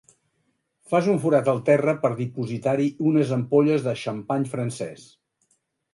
Fas un forat al terra per dipositar-hi unes ampolles de xampany francès.